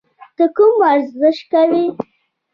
ته کوم ورزش کوې؟